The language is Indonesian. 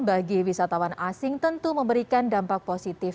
bagi wisatawan asing tentu memberikan dampak positif